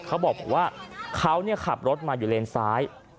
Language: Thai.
เขาบอกว่าเขาขับรถมาอยู่เลนซ้าย